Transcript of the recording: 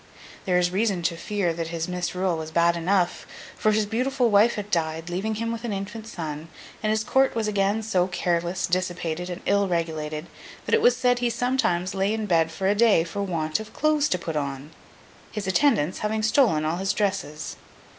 There is reason to fear that his misrule was bad enough; for his beautiful wife had died, leaving him with an infant son, and his court was again so careless, dissipated, and ill regulated, that it was said he sometimes lay in bed of a day for want of clothes to put on—his attendants having stolen all his dresses.